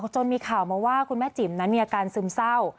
จนมีข่าวมาว่าคุณแม่จิ๋มนั้นมีอาการซึมเศร้า